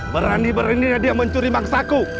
berani beraninya dia mencuri mangsaku